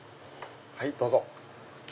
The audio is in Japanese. はいどうぞ。